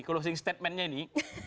closing statementnya ini